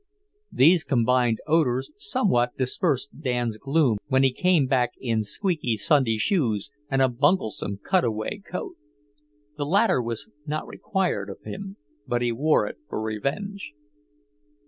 These combined odours somewhat dispersed Dan's gloom when he came back in squeaky Sunday shoes and a bunglesome cut away coat. The latter was not required of him, but he wore it for revenge.